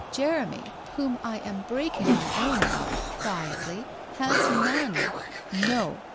Jeremy, whom I am breaking my own about, quietly, has none. No!